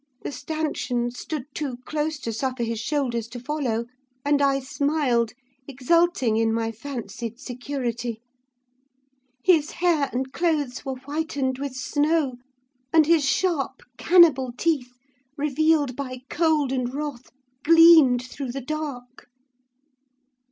The stanchions stood too close to suffer his shoulders to follow, and I smiled, exulting in my fancied security. His hair and clothes were whitened with snow, and his sharp cannibal teeth, revealed by cold and wrath, gleamed through the dark.